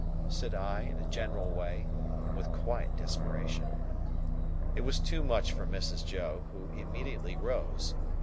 said I, in a general way, and with quiet desperation. It was too much for Mrs. Joe, who immediately rose.